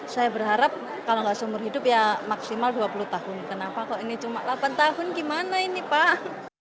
saya berharap kalau nggak seumur hidup ya maksimal dua puluh tahun kenapa kok ini cuma delapan tahun gimana ini pak